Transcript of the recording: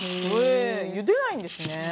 へえゆでないんですね！